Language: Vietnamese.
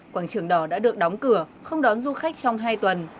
quảng trường đỏ đã được đóng cửa không đón du khách trong hai tuần